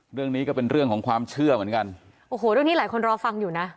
เรื่องนี้ก็เป็นเรื่องของความเชื่อเหมือนกันโอ้โหเรื่องนี้หลายคนรอฟังอยู่น่ะ